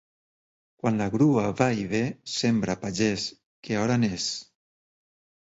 Quan la grua va i ve, sembra, pagès, que hora n'és.